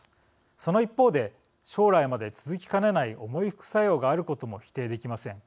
その一方で将来まで続きかねない重い副作用があることも否定できません。